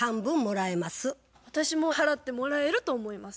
私も払ってもらえると思います。